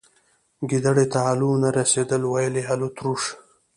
گيدړي ته الو نه رسيدل ، ويل يې الوتروش.